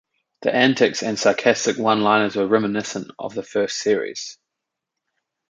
The antics and sarcastic one-liners were reminiscent of the first series.